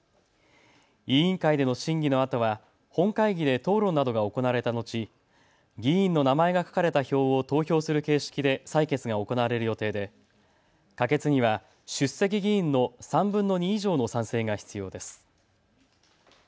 委員会での審議のあとは本会議で討論などが行われたのち議員の名前が書かれた票を投票する形式で採決が行われる予定で可決には出席議員の３分の２以上の賛成が必要です。